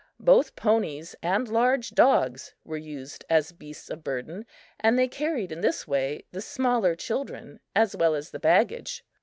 Both ponies and large dogs were used as beasts of burden, and they carried in this way the smaller children as well as the baggage.